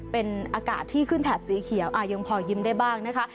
เป็นอากาศที่ขึ้นแถบสีเขียวยังพอยิ้มได้บ้างนะคะ